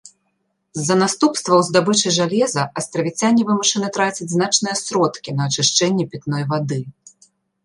З-за наступстваў здабычы жалеза астравіцяне вымушаны траціць значныя сродкі на ачышчэнне пітной вады.